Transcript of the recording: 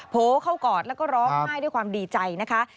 โผล่เข้ากอดแล้วก็ร้องไห้ด้วยความดีใจนะคะ